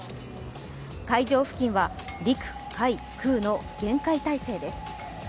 会場付近は陸・海・空の厳戒態勢です。